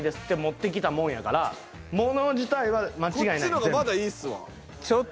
こっちのがまだいいっすわ。